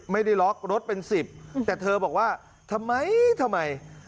ไม่ได้ล็อกรถเป็นสิบแต่เธอบอกว่าทำไมทำไม